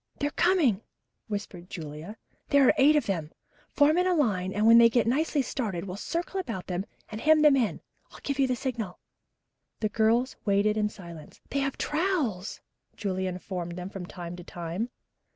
"They're coming," whispered Julia. "There are eight of them. Form in line and when they get nicely started, we'll circle about them and hem them in. I'll give you the signal." The girls waited in silence. "They have trowels," Julia informed them from time to time.